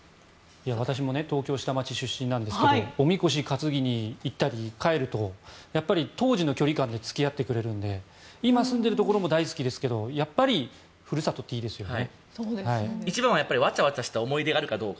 私も東京の下町出身なんですがおみこしを担ぎに行ったり帰ると当時の距離感で付き合ってくれるので今、住んでいるところも大好きですけどやはりふるさとっていいですよね。